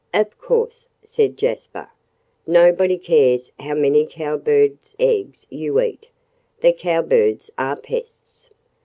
"Of course," said Jasper, "nobody cares how many Cowbirds' eggs you eat. The Cowbirds are pests.